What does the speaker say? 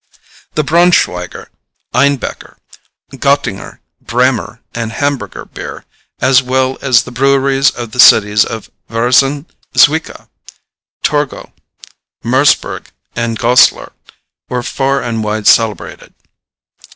The Braunschweiger, Einbeker, Göttinger, Bremer, and Hamburger beer, as well as the breweries of the cities of Würzen, Zwickau, Torgau, Merseburg, and Goslar, were far and wide celebrated.